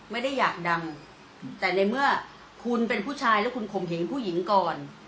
ไม่ได้อยากดังแต่ในเมื่อคุณเป็นผู้ชายแล้วคุณข่มเหงผู้หญิงก่อน